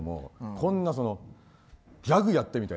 こんなギャグやってみたいな。